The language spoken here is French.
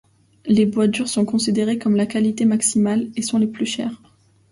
Les bois durs sont considérés comme la qualité maximale et sont les plus chers.